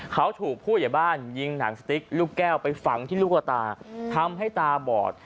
เขาถูกผู้ใหญ่บ้านยิงหนังสติ๊กลูกแก้วไปฝังที่ลูกละตาทำให้ตาบอด